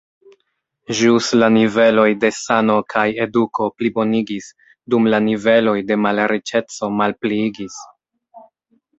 Ĵus la niveloj de sano kaj eduko plibonigis, dum la niveloj de malriĉeco malpliigis.